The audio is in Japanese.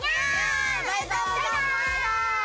バイバーイ。